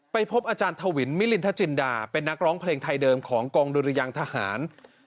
พบอาจารย์ถวินมิลินทจินดาเป็นนักร้องเพลงไทยเดิมของกองดุรยังทหาร